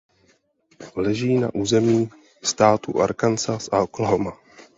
Leží na území států Arkansas a Oklahoma.